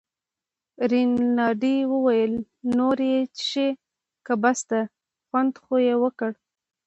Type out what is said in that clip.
رینالډي وویل: نور یې څښې که بس ده، خوند خو یې وکړ.